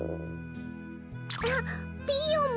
あっピーヨンも。